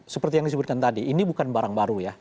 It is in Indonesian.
seperti yang disebutkan tadi ini bukan barang baru ya